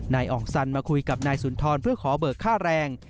อ่องสันมาคุยกับนายสุนทรเพื่อขอเบิกค่าแรง